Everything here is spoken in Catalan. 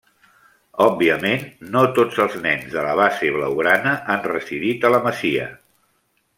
Òbviament, no tots els nens de la base blaugrana han residit a la Masia.